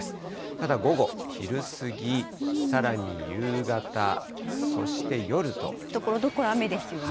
ただ午後、昼過ぎ、さらに夕方、ところどころ雨ですよね。